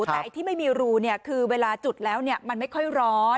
แต่ไอ้ที่ไม่มีรูคือเวลาจุดแล้วมันไม่ค่อยร้อน